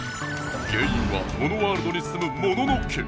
原いんはモノワールドにすむモノノ家！